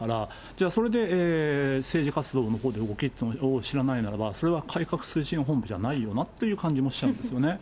じゃあ、それで政治活動のほうを知らないならば、それは改革推進本部じゃないよなという感じもしちゃうんですよね。